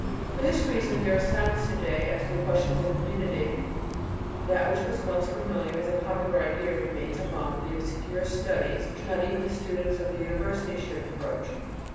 For this reason, there is silence to day as to questions of immunity; that which was once familiar as a popular idea remains among the obscure studies which not even the students of the university should approach.